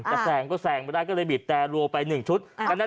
แต่แสงก็แสงไปได้เลยบีดแต่ลวงไป๑ชุด